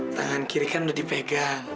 tangan kiri kan udah dipegang